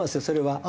それは。